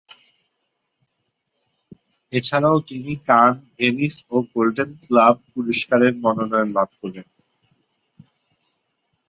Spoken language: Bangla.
এছাড়াও তিনি কান, ভেনিস ও গোল্ডেন গ্লোব পুরস্কারের মনোনয়ন লাভ করেন।